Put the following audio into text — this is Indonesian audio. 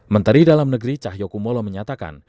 menteri dalam negeri cahyokumolo menyatakan